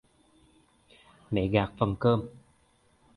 Mẹ gạt phần cơm